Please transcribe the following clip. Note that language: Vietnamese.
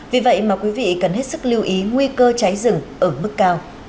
vì vậy mà quý vị cần hết sức lưu ý nguy cơ cháy rừng ở mức cao